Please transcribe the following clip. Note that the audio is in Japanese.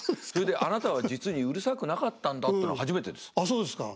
それであなたは実にうるさくなかったんだってのは初めてです。